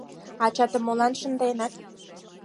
«Ачатым молан шынденыт?»